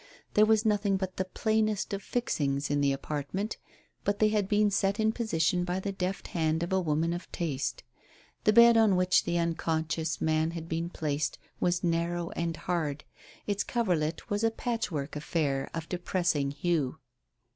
There was nothing but the plainest of "fixings" in the apartment, but they had been set in position by the deft hand of a woman of taste. The bed on which the unconscious man had been placed was narrow and hard. Its coverlet was a patchwork affair of depressing hue.